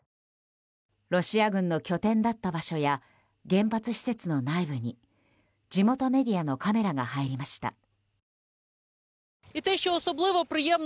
ロシア軍の拠点だった場所や原発施設の内部に地元メディアのカメラが入りました。